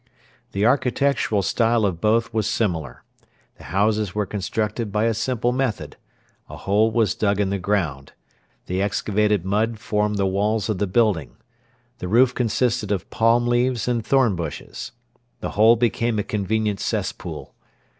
The architectural style of both was similar. The houses were constructed by a simple method. A hole was dug in the ground. The excavated mud formed the walls of the building. The roof consisted of palm leaves and thorn bushes. The hole became a convenient cesspool.